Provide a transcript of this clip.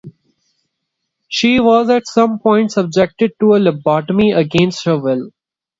She was at some point subjected to a lobotomy against her will.